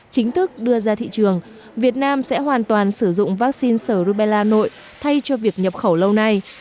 chính thức đưa ra thị trường việt nam sẽ hoàn toàn sử dụng vaccine sở rubella thay cho việc nhập khẩu lâu nay